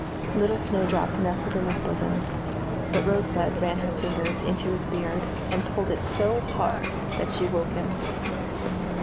Little Snowdrop nestled in his bosom, but Rosebud ran her fingers into his beard, and pulled it so hard that she woke him.